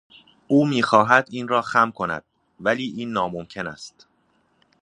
او میخواهد این را خم کند ولی این ناممکن است.